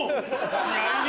試合に！